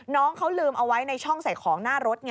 น้องเขาลืมเอาไว้ในช่องใส่ของหน้ารถไง